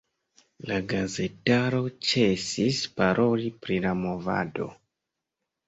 La gazetaro ĉesis paroli pri la movado.